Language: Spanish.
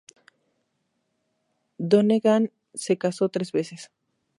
Donegan se casó tres veces.